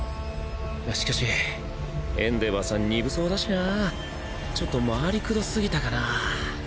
ましかしエンデヴァーさん鈍そうだしなちょっと回りくどすぎたかなァ。